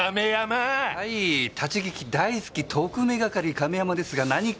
はい立ち聞き大好き特命係亀山ですが何か？